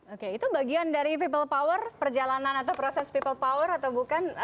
oke itu bagian dari people power perjalanan atau proses people power atau bukan